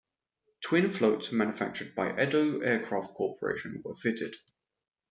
Twin floats, manufactured by Edo Aircraft Corporation, were fitted.